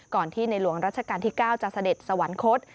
ที่ในหลวงรัชกาลที่๙จะเสด็จสวรรคต